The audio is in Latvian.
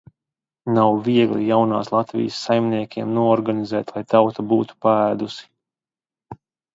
Nav viegli jaunās Latvijas saimniekiem noorganizēt, lai tauta būtu paēdusi.